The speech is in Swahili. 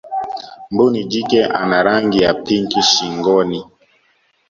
mbuni jike ana rangi ya pinki shingonis